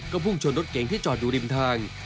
พุ่งชนรถเก๋งที่จอดอยู่ริมทาง